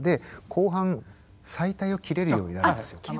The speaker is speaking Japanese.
後半臍帯を切れるようになるんですよ。